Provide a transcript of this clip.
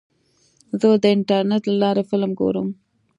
زه د انټرنیټ له لارې فلم ګورم.